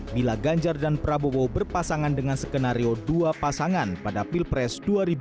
bila ganjar dan prabowo berpasangan dengan skenario dua pasangan pada pilpres dua ribu dua puluh